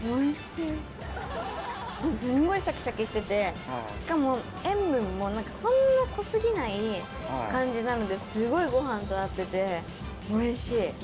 すごいシャキシャキしててしかも塩分もそんな濃過ぎない感じなのですごいご飯と合ってておいしい！